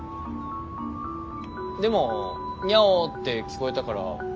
でもニャオって聞こえたから。